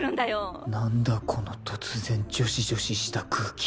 何だこの突然女子女子した空気